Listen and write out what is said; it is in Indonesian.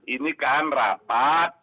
ini kan rapat